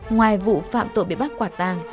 ngoài vụ phạm tội bị bắt quả tàng